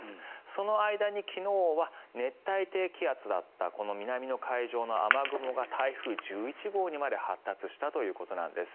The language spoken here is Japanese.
その間に昨日は熱帯低気圧だった南の海上の雨雲が台風１１号にまで発達したということなんです。